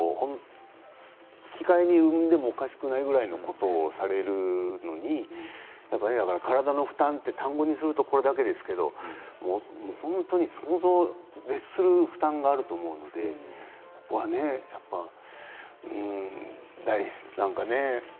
引き換えに産んでもおかしくないようなことをされるのに体の負担っていう単語にするとこれだけですけど本当に想像を絶する負担があると思うのでうん。